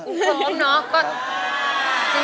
เคิ้มเนอะ